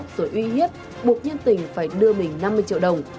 rồi uy hiếp buộc nhân tình phải đưa bình năm mươi triệu đồng